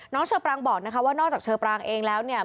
เชอปรางบอกนะคะว่านอกจากเชอปรางเองแล้วเนี่ย